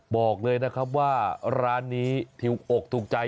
บอกเลยนะครับว่าร้านนี้ถูกอกถูกใจ